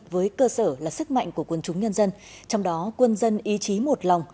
với cơ sở là sức mạnh của quân chúng nhân dân trong đó quân dân ý chí một lòng